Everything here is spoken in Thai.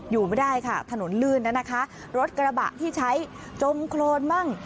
อยู่ไม่ได้ค่ะถนนลื่นนะคะรถกระบะที่ใช้จมโครนมั่ง